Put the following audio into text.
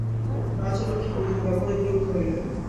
রাজলক্ষ্মী বধূর ব্যবহারে বিরক্ত হইলেন।